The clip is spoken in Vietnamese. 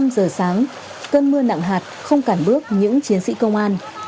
năm giờ sáng cơn mưa nặng hạt không cản bước những chiến sĩ công an